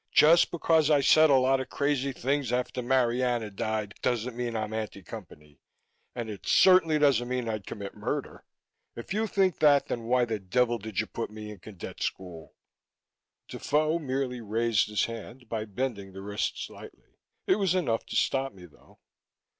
Just because I said a lot of crazy things after Marianna died doesn't mean I'm anti Company and it certainly doesn't mean I'd commit murder. If you think that, then why the devil did you put me in cadet school?" Defoe merely raised his hand by bending the wrist slightly; it was enough to stop me, though.